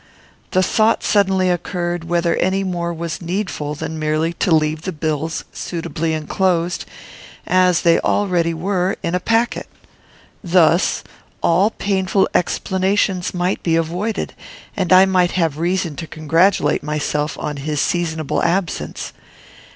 The thought suddenly occurred, whether any more was needful than merely to leave the bills suitably enclosed, as they already were, in a packet. Thus all painful explanations might be avoided, and I might have reason to congratulate myself on his seasonable absence.